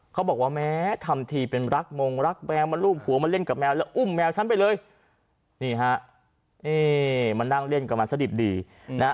เขาบอกว่าแม้ทำทีเป็นรักมงรักแมงมันรูปหัวมาเล่นกับแมวแล้วอุ้มแมวฉันไปเลยนี่ฮะ